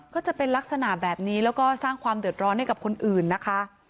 ก็จะเป็นลักษณะแบบนี้แล้วก็สร้างความเดือดร้อนให้กับคนอื่นนะคะ